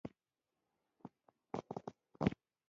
کله چې خاما په نولس سوه څلوېښت مه لسیزه کې زده کړې کولې.